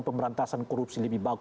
pemberantasan korupsi lebih bagus